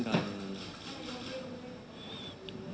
อเจมส์ไม่รู้คุณทัน